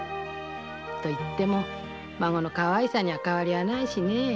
と言っても孫のかわいさに変わりはないしね。